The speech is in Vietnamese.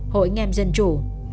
hội nghem dân chủ